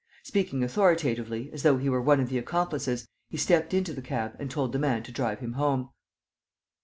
Speaking authoritatively, as though he were one of the accomplices, he stepped into the cab and told the man to drive him home.